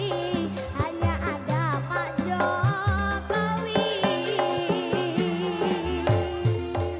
di hati ini hanya ada pak jokowi